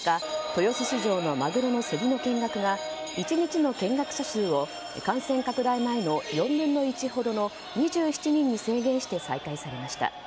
豊洲市場のマグロの競りの見学が１日の見学者数を感染拡大前の４分の１ほどの２７人に制限して再開されました。